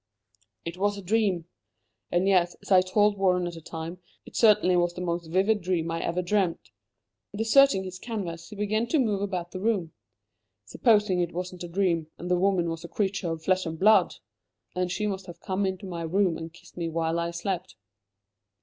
"It was a dream. And yet, as I told Warren at the time, it certainly was the most vivid dream I ever dreamt." Deserting his canvas he began to move about the room. "Supposing it wasn't a dream, and the woman was a creature of flesh and blood! Then she must have come into my room, and kissed me while I slept.